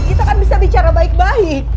kita akan bisa bicara baik baik